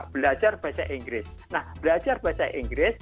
belajar bahasa inggris